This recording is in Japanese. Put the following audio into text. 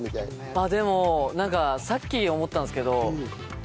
ああでもなんかさっき思ったんですけど。